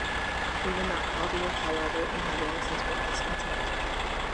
They were not popular, however, and have long since been discontinued.